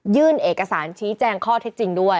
เอกสารชี้แจงข้อเท็จจริงด้วย